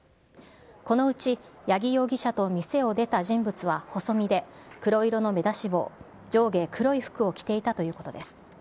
このうち八木容疑者と店を出た人物は細身で黒色の目出し帽、上下黒い服を着ていたということです。